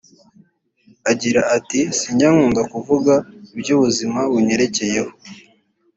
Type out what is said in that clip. Agira ati “Sinjya nkunda kuvuga iby’ubuzima bunyerekeyeho